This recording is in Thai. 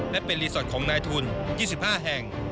และเป็นรีสอร์ทของนายทุน๒๕แห่ง